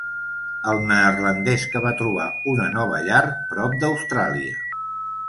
El neerlandès que va trobar una nova llar prop d'Austràlia.